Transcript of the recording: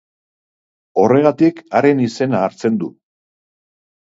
Horregatik haren izena hartzen du.